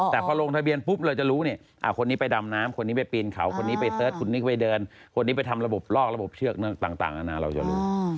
แต่พอลงทะเบียนปุ๊บเราจะรู้เนี่ยคนนี้ไปดำน้ำคนนี้ไปปีนเขาคนนี้ไปเสิร์ชคุณนิกไปเดินคนนี้ไปทำระบบลอกระบบเชือกต่างนานาเราจะรู้